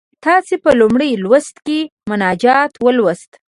تاسې په لومړي لوست کې مناجات ولوست.